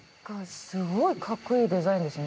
すごいかっこいいデザインですね。